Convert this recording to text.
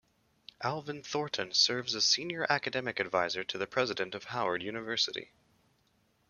Alvin Thornton serves as Senior Academic Advisor to the President of Howard University.